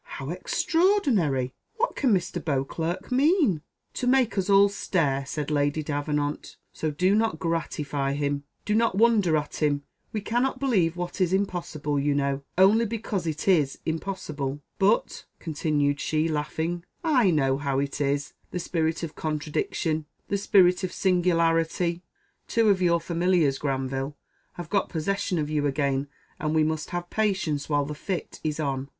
How extraordinary! What can Mr. Beauclerc mean?" "To make us all stare," said Lady Davenant, "so do not gratify him. Do not wonder at him; we cannot believe what is impossible, you know, only because it is impossible. But," continued she, laughing, "I know how it is. The spirit of contradiction the spirit of singularity two of your familiars, Granville, have got possession of you again, and we must have patience while the fit is on."